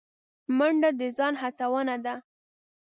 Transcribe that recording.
منډه د ځان هڅونه ده